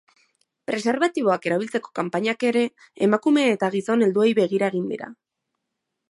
Preserbatiboak erabiltzeko kanpainak ere emakume eta gizon helduei begira egin dira.